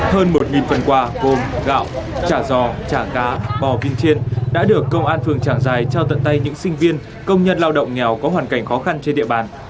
hơn một phần quà cơm gạo chả giò chả cá bò viên chiên đã được công an phường trảng giài trao tận tay những sinh viên công nhân lao động nghèo có hoàn cảnh khó khăn trên địa bàn